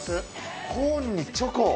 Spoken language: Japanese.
コーンにチョコ。